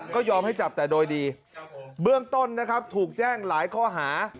ก็ยอมให้จับแต่โดยดีเบื้องต้นนะครับถูกแจ้งหลายข้อหา